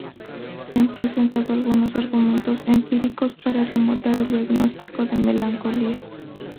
Se han presentado algunos argumentos empíricos para retomar el diagnóstico de melancolía.